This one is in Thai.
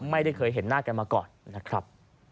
ไม่เคยเห็นหน้ากันมาก่อนนะครับ